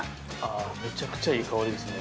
◆めちゃくちゃいい香りですね。